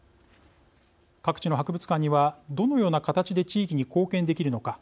各地の博物館にはどのような形で地域に貢献できるのか。